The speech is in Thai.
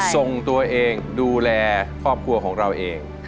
ส่งตัวเองดูแลครอบครัวของเราเอง